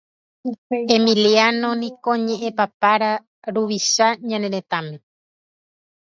Emiliano niko ñeʼẽpapára ruvicha ñane retãme.